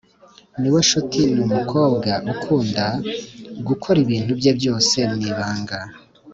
Niwenshuti ni umukobwa ukunda gukora ibintu bye byose mwibanga